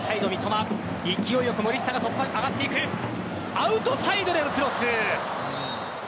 アウトサイドでのクロス。